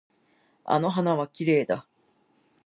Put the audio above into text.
あの花はきれいだ。